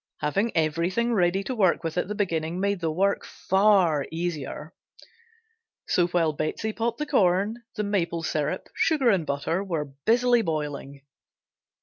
Having everything ready to work with at the beginning made the work far easier. So while Betsey popped the corn, the maple syrup, sugar and butter were busily boiling.